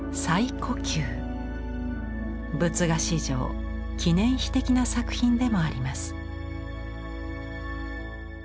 仏画史上記念碑的な作品でもあります。